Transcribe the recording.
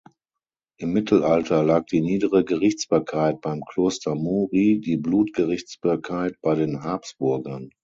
Im Mittelalter lag die niedere Gerichtsbarkeit beim Kloster Muri, die Blutgerichtsbarkeit bei den Habsburgern.